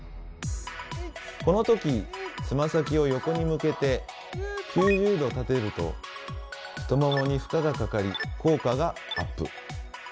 この時つま先を横に向けて９０度立てると太ももに負荷がかかり効果がアップ。